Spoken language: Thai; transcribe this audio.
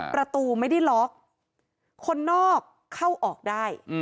ประตูไม่ได้ล็อกคนนอกเข้าออกได้